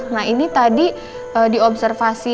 nah ini tadi